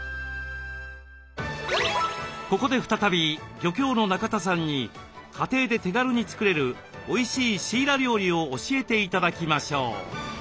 ここで再び漁協の中田さんに家庭で手軽に作れるおいしいシイラ料理を教えて頂きましょう。